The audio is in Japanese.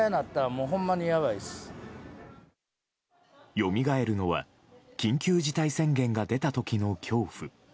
よみがえるのは緊急事態宣言が出た時の恐怖。